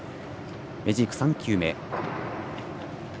メジーク、３球目。